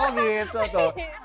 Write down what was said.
oh gitu tuh